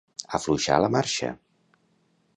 Afluixar la marxa.